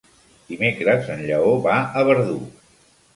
Dimecres en Lleó va a Verdú.